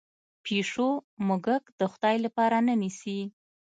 پیشو موږک د خدای لپاره نه نیسي.